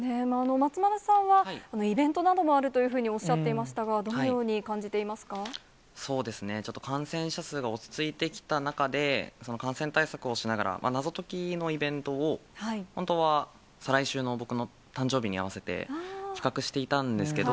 松丸さんは、イベントなどもあるというふうにおっしゃっていましたが、ちょっと感染者数が落ち着いてきた中で、感染対策をしながら、謎解きのイベントを、本当は再来週の僕の誕生日に合わせて企画していたんですけど、